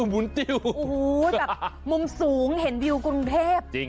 โอ้โหแบบมุมสูงเห็นวิวกรุงเทพ